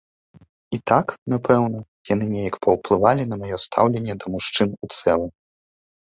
І так, напэўна, яны неяк паўплывалі на маё стаўленне да мужчын у цэлым.